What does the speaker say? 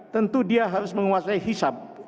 tentu dia harus menguasai hisap